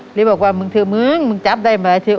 หรือบอกว่ามึงเธอมึงมึงจับได้มาเธอ